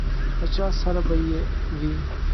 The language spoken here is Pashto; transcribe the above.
له چا سره به یې وي.